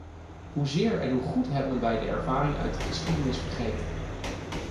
Hoezeer en hoe goed hebben wij de ervaring uit de geschiedenis vergeten.